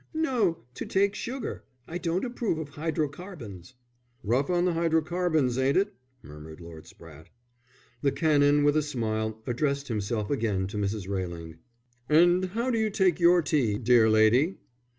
"No, to take sugar. I don't approve of hydrocarbons." "Rough on the hydrocarbons, ain't it?" murmured Lord Spratte. The Canon with a smile addressed himself again to Mrs. Railing. "And how do you take your tea, dear lady?"